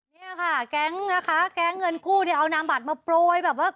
เนี่ยค่ะแก๊งนะคะแก๊งเงินกู้เนี่ยเอานามบัตรมาโปรยแบบว่า